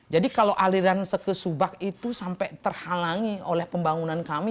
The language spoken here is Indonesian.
jadi kalau aliran seke subak itu sampai terhalangi oleh pembangunan kami